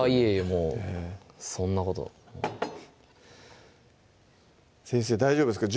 もうそんなこと先生大丈夫ですか？